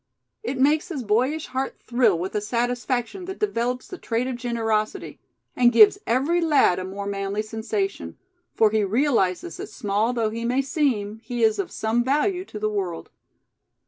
It makes his boyish heart thrill with a satisfaction that develops the trait of generosity; and gives every lad a more manly sensation; for he realizes that small though he may seem, he is of some value to the world.